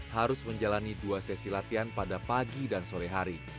harus menjalani dua sesi latihan pada pagi dan sore hari